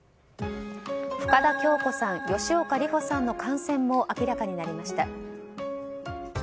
深田恭子さん、吉岡里帆さんの感染も明らかになりました。